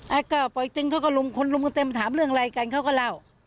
เก้าปล่อยตึงเขาก็ลุมคนลุมกันเต็มถามเรื่องอะไรกันเขาก็เล่า